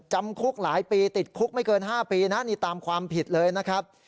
จำคุกหลายปีติดคุกไม่เกิน๕ปีนะนี่ตามความผิดเลยนะครับ